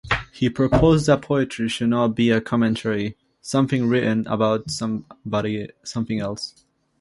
He proposed that poetry should not be a commentary, something written about something else.